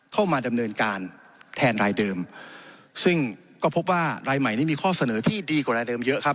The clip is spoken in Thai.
เข้ามาดำเนินการแทนรายเดิมซึ่งก็พบว่ารายใหม่นี้มีข้อเสนอที่ดีกว่ารายเดิมเยอะครับ